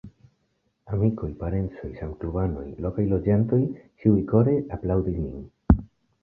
Amikoj, parencoj, samklubanoj, lokaj loĝantoj, ĉiuj kore aplaŭdis min.